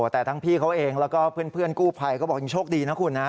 แต่ทั้งพี่เขาเองแล้วก็เพื่อนกู้ภัยก็บอกยังโชคดีนะคุณนะ